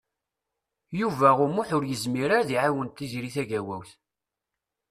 Yuba U Muḥ ur yezmir ara ad iɛawen Tiziri Tagawawt.